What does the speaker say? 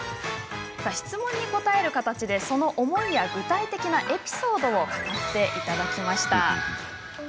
質問に答える形でその思いや具体的なエピソードを語っていただきました。